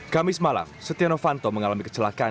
kamis malam setia novanto mengalami kecelakaan